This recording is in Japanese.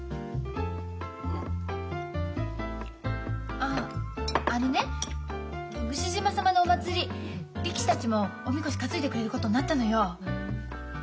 あっあのね牛嶋さまのお祭り力士たちもお神輿担いでくれることになったのよ。